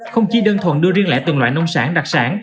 không chỉ đơn thuần đưa riêng lẻ từng loại nông sản đặc sản